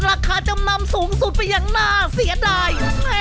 ราคาจำนำสูงสุดไปอย่างน่าเสียดาย